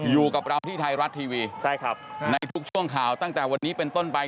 อยู่กับเราที่ไทยรัฐทีวีใช่ครับในทุกช่วงข่าวตั้งแต่วันนี้เป็นต้นไป